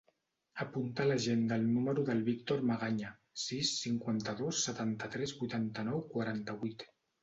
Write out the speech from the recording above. Apunta a l'agenda el número del Víctor Magaña: sis, cinquanta-dos, setanta-tres, vuitanta-nou, quaranta-vuit.